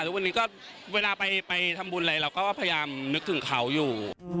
ทุกวันนี้ก็เวลาไปทำบุญอะไรเราก็พยายามนึกถึงเขาอยู่